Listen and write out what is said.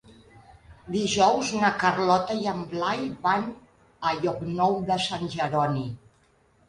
Dijous na Carlota i en Blai van a Llocnou de Sant Jeroni.